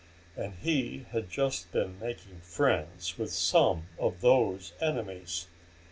And he had just been making friends with some of those enemies.